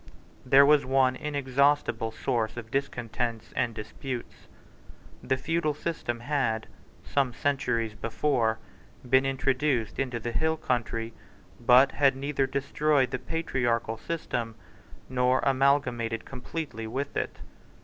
There was one inexhaustible source of discontents and disputes. The feudal system had, some centuries before, been introduced into the hill country, but had neither destroyed the patriarchal system nor amalgamated completely with it.